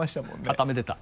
固めてた。